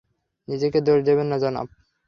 নিজেকে দোষ দেবেন না, জনাব।